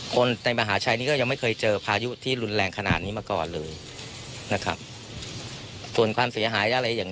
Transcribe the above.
คนในมหาชัยนี่ก็ยังไม่เคยเจอพายุที่รุนแรงขนาดนี้มาก่อนเลยนะครับส่วนความเสียหายอะไรอย่าง